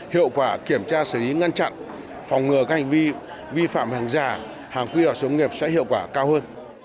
hiệu quả kiểm tra xử lý ngăn chặn phòng ngừa các hành vi vi phạm hàng giả hàng quy hoạch sống nghiệp sẽ hiệu quả cao hơn